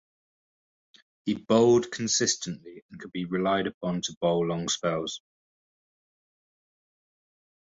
He bowled consistently and could be relied upon to bowl long spells.